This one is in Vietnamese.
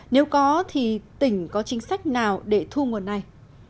nếu có thì tỉnh có chính sách nào để thu nguồn này